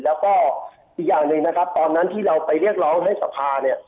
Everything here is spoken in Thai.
แล้วก็อีกอย่างหนึ่งตอนนั้นที่เราไปเรียกร้องให้สภา